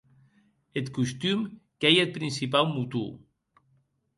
Eth costum qu'ei eth principau motor.